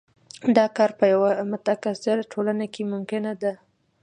دا کار په یوه متکثره ټولنه کې ممکنه ده.